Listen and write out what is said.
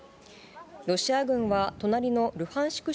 ロシア軍は隣のルハンシク